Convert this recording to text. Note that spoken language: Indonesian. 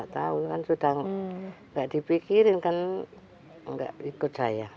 tidak dipikirkan tidak ikut saya